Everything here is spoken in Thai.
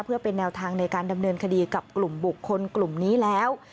เพื่อเป็นแนวทางในการดำเนินคดีกับกลุ่มบุคคลกลุ่มนี้แล้ว